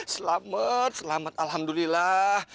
selamat selamat alhamdulillah